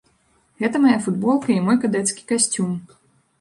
Гэта мая футболка і мой кадэцкі касцюм.